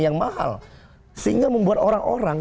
yang mahal sehingga membuat orang orang